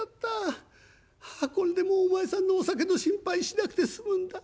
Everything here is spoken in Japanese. ああこれでもうお前さんのお酒の心配しなくて済むんだ。